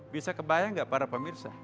bisa kebayang nggak para pemirsa